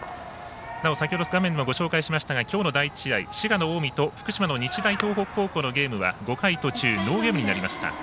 なお先ほどご紹介しましたがきょうの第１試合滋賀の近江と日大東北高校は５回途中ノーゲームになりました。